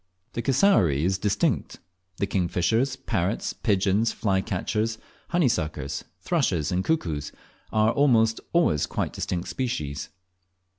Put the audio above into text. The cassowary is distinct; the kingfishers, parrots, pigeons, flycatchers, honeysuckers, thrushes, and cuckoos, are almost always quite distinct species.